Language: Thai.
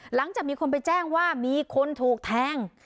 หลังจากมีคนไปแจ้งว่ามีคนถูกแทง